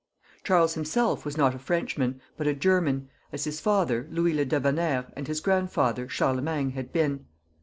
Charles himself was not a Frenchman but a German, as his father, Louis le D^bonnaire, and his grand father, Charlemagne, had been.